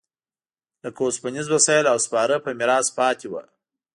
لکه اوسپنیز وسایل او سپاره په میراث پاتې و